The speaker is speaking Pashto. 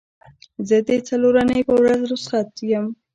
زه د څلورنۍ په ورځ روخصت یم